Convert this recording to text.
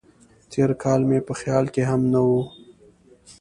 تېر کال مې په خیال کې هم نه و.